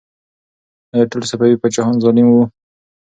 آیا ټول صفوي پاچاهان ظالم وو؟